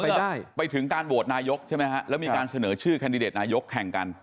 ก็เกิดขึ้นต่อเมื่อไปถึงการโบสถ์นายกใช่ไหมฮะแล้วมีการเสนอชื่อแคนดิเดตนายกแข่งกัน